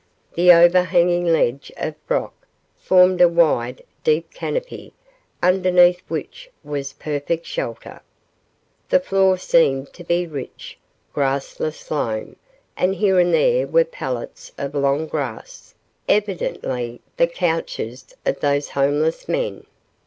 The overhanging ledge of rock formed a wide, deep canopy, underneath which was perfect shelter. The floor seemed to be rich, grassless loam, and here and there were pallets of long grass, evidently the couches of these homeless men.